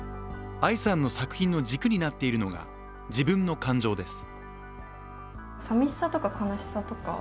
藍さんの作品の軸になっているのが自分の感情です。